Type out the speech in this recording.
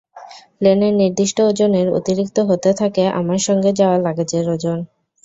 প্লেনের নির্দিষ্ট ওজনের অতিরিক্ত হতে থাকে আমার সঙ্গে যাওয়া লাগেজের ওজন।